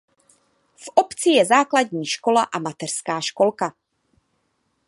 V obci je základní škola a mateřská školka.